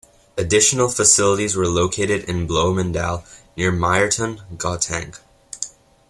Additional facilities were located in Bloemendal near Meyerton, Gauteng.